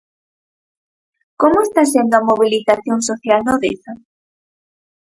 Como está sendo a mobilización social no Deza?